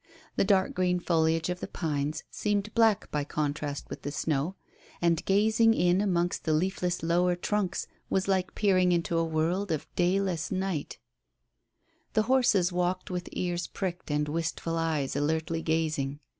The dark green foliage of the pines seemed black by contrast with the snow, and gazing in amongst the leafless lower trunks was like peering into a world of dayless night The horses walked with ears pricked and wistful eyes alertly gazing.